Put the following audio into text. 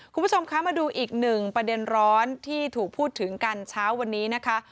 คุณผู้ชมคะมาดูอีกหนึ่งประเด็นร้อนที่ถูกพูดถึงกันเช้าวันนี้นะคะ